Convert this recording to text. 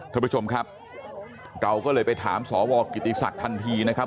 ท่านผู้ชมครับเราก็เลยไปถามสวกิติศักดิ์ทันทีนะครับ